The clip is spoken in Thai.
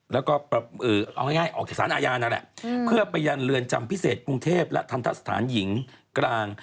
แล้วก็เอาง่ายออกจากสารอาญานั่นแหละเพื่อไปยันเรือนจำพิเศษกรุงเทพและทันทะสถานหญิงกลาง